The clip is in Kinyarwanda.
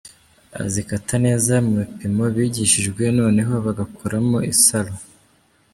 Azikata neza mu bipimo bigishijwe, noneho bagakoramo isaro.